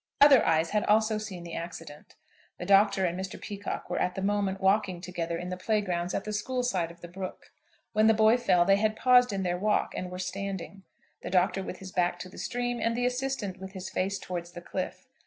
Other eyes had also seen the accident. The Doctor and Mr. Peacocke were at the moment walking together in the playgrounds at the school side of the brook. When the boy fell they had paused in their walk, and were standing, the Doctor with his back to the stream, and the assistant with his face turned towards the cliff.